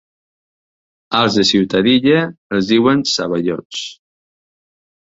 Als de Ciutadilla, els diuen ceballots.